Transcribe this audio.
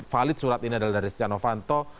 valid surat ini adalah dari setia novanto